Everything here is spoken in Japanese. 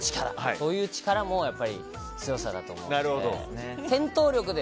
そういう力もやっぱり強さだと思うので。